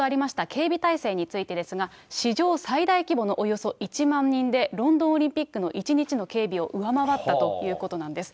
警備体制についてですが、史上最大規模のおよそ１万人で、ロンドンオリンピックの１日の警備を上回ったということなんです。